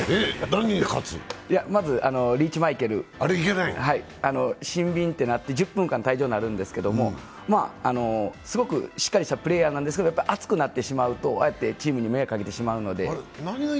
まずリーチマイケル、１０分間退場になるんですけど、すごくしっかりしたプレーヤーなんですが、熱くなるとチームに迷惑かけてしまうので。